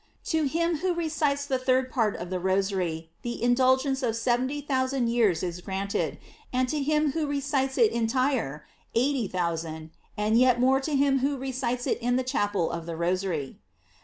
To him who recites the third part of the Rosary, the in dulgence of seventy thousand years is granted, and to him who recites it entire, eighty thousand, and yet more to him who recites it in the chapel of the Rosary.